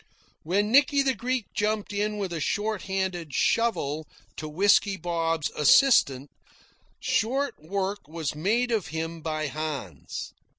When Nicky the Greek jumped in with a short handled shovel to Whisky Bob's assistance, short work was made of him by Hans.